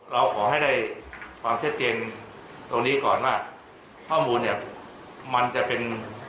เราขอให้ได้ความชัดเจนตรงนี้ก่อนว่าข้อมูลเนี่ยมันจะเป็น